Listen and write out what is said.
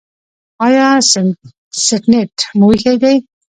ایا سټنټ مو ایښی دی؟